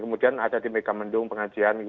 kemudian ada di megamendung pengajian